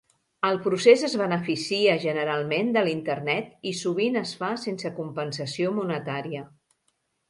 El procés es beneficia generalment de l'Internet i sovint es fa sense compensació monetària.